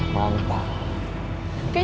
tinggi dan makhluk